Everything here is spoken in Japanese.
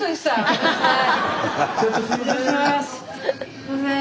すいません。